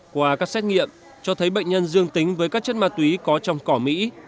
qua các xét nghiệm cho thấy bệnh nhân dương tính với các chất ma túy có trong cỏ mỹ